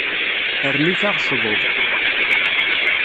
Rrnut-aɣ ccḍuḍ.